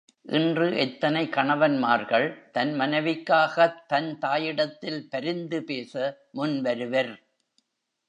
இன்று எத்தனை கணவன்மார்கள் தன் மனைவிக்காகத் தன் தாயிடத்தில் பரிந்து பேச முன் வருவர்?